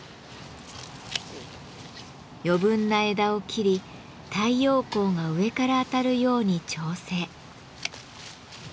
余分な枝を切り太陽光が上から当たるように調整。